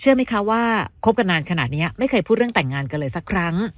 เชื่อไหมคะว่าคบกันนานขนาดนี้ไม่เคยพูดเรื่องแต่งงานกันเลยสักครั้ง